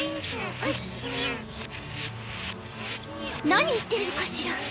何言ってるのかしら？